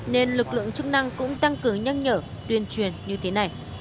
nên lực lượng chức năng cũng tăng cứng nhanh nhở tuyên truyền như thế này